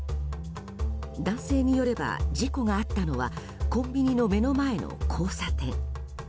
男性によれば事故があったのはコンビニの目の前の交差点。